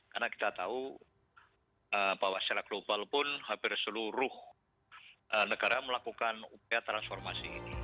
karena kita tahu bahwa secara global pun hampir seluruh negara melakukan upaya terhadap energi yang terlalu banyak